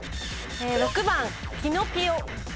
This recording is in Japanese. ６番キノピオ。